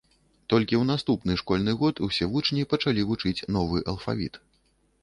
Толькі ў наступны школьны год усе вучні пачалі вучыць новы алфавіт.